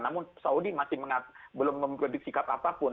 namun saudi masih belum memproduksi kapal apapun